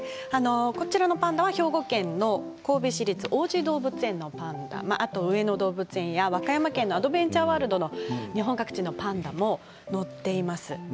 こちらのパンダは兵庫県の神戸市立王子動物園のパンダあと上野動物園や和歌山県のアドベンチャーワールドなど日本各地のパンダも載っています。